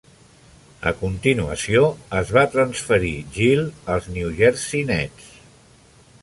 A continuació, es va transferir Gill als New Jersey Nets.